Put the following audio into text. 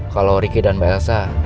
kalau ricky dan mbak elsa